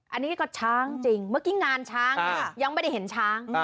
อันนี้ก็ช้างจริงเมื่อกี้งานช้างยังไม่ได้เห็นช้าง